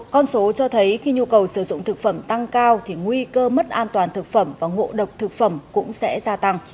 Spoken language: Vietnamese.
con số cho thấy khi nhu cầu sử dụng thực phẩm tăng cao thì nguy cơ mất an toàn thực phẩm và ngộ độc thực phẩm cũng sẽ gia tăng